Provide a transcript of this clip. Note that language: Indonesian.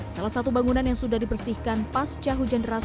salah satu bangunan yang sudah dibersihkan pasca hujan deras